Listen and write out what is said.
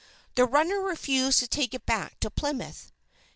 The runner refused to take it back to Plymouth.